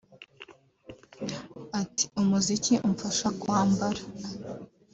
Ati “Umuziki umfasha kwambara